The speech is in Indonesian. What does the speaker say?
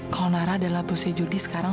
kalo mara adalah bosnya judi sekarang